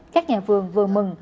các nhà vườn vừa mừng